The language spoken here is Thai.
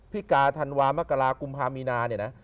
ภิกาธรรมมกรกุมธามีนาเนี่ยนะ